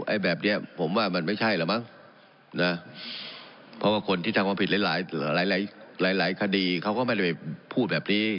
แบบนี้ผมว่ามันไม่ใช่แล้วมั้งนะเพราะว่าคนที่ทำความผิดหลายหลายหลายคดีเขาก็ไม่ได้ไปพูดแบบนี้